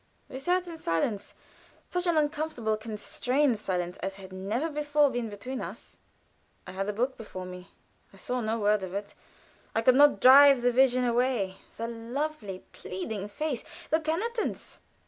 We sat in silence such an uncomfortable constrained silence, as had never before been between us. I had a book before me. I saw no word of it. I could not drive the vision away the lovely, pleading face, the penitence.